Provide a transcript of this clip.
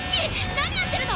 何やってるの？